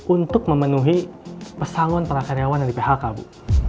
untuk memenuhi pesangon para karyawan dari phk bu